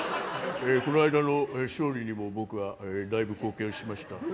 この間の勝利にも僕はだいぶ貢献しました。